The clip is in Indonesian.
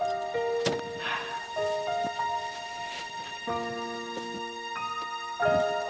yang ini rebah rumah